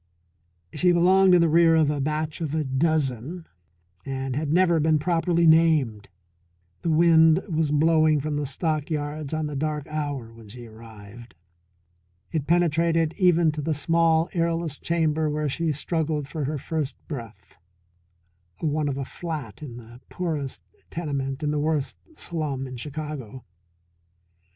She belonged in the rear of a batch of a dozen, and had never been properly named. The wind was blowing from the stockyards on the dark hour when she arrived. It penetrated even to the small airless chamber where she struggled for her first breath one of a "flat" in the poorest tenement in the worst slum in Chicago.